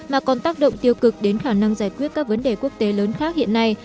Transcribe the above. mà còn tác động tiêu cực đến khả năng giải quyết các vấn đề quốc tế lớn khác hiện nay